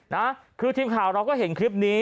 นะครูทีมข่ารักว่าเห็นคลิปนี้